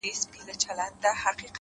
بې حیا یم ـ بې شرفه په وطن کي ـ